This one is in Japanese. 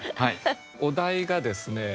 お題がですね